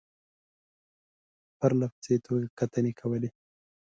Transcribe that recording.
پرله پسې توګه کتنې کولې.